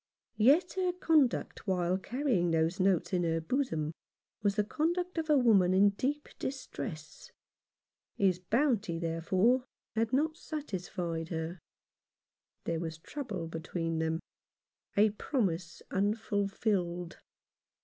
Yet her conduct while carrying those notes in her bosom was the conduct of a woman in deep distress. His bounty, therefore, had not satisfied her. There was trouble between them — a promise unfulfilled.